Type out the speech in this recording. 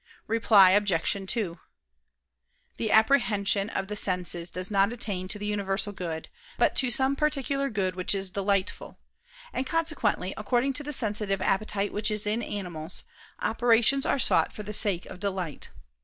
Reply Obj. 2: The apprehension of the senses does not attain to the universal good, but to some particular good which is delightful. And consequently, according to the sensitive appetite which is in animals, operations are sought for the sake of delight.